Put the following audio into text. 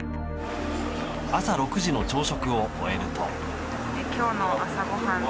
朝６時の朝食を終えると。